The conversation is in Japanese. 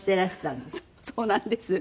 そうなんです。